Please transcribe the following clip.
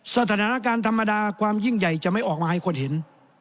สถานการณ์ธรรมดาความยิ่งใหญ่จะไม่ออกมาให้คนเห็น